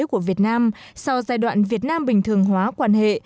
của việt nam sau giai đoạn việt nam bình thường hóa quan hệ